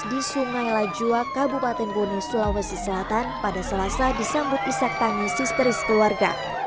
di sungai lajua kabupaten boneh sulawesi selatan pada selasa disambut isyaktani sisteris keluarga